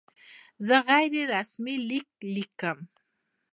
زه غیر رسمي لیک لیکم.